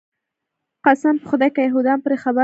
قسم په خدای که یهودان پرې خبر شول.